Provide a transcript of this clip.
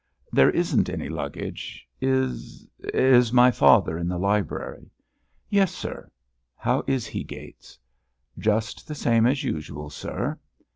"There isn't any luggage. Is—is my father in the library?" "Yes, sir." "How is he, Gates?" "Just the same as usual, sir."